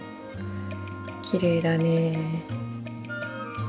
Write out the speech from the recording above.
きれいだね。